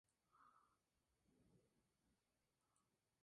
La policía dice que fue declarada muerta en el hospital.